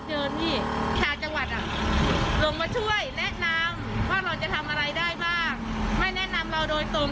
เพื่อที่จะได้ผลประโยชน์ตรงนี้กลับคืนมาบ้าง